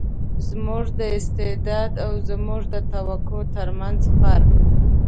زموږ د استعداد او زموږ د توقع تر منځ فرق.